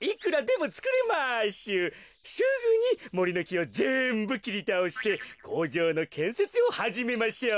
すぐにもりのきをぜんぶきりたおしてこうじょうのけんせつをはじめましょう。